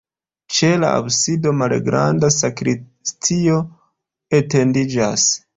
Ĉe la absido malgranda sakristio etendiĝas.